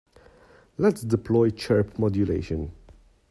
Let's deploy chirp modulation.